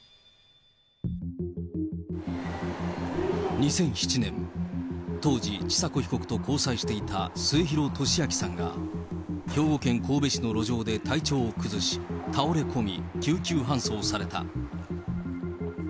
２００７年、当時、千佐子被告と交際していた末広利明さんが、兵庫県神戸市の路上で体調を崩し、倒れ込み救急搬送された。